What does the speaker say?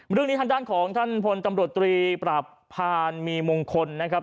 เรื่องนี้ทางด้านของท่านพลตำรวจตรีปราบพานมีมงคลนะครับ